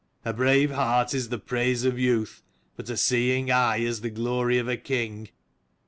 A brave heart is the praise of youth, but a seeing eye is the glory of a king.